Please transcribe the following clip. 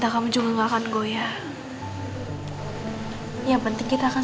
kamu percayakan sama aku